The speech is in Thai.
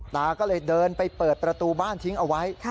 ตาก็เลยเดินไปเปิดประตูบ้านทิ้งเอาไว้